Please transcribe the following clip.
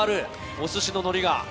お寿司ののりが。